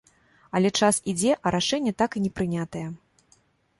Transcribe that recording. Але час ідзе, а рашэнне так і не прынятае.